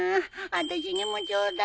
あたしにもちょうだい。